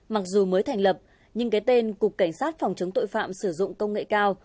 mặc dù mới thành lập nhưng cái tên cục cảnh sát phòng chống tội phạm sử dụng công nghệ cao